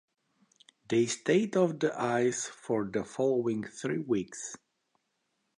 They stayed off the ice for the following three weeks.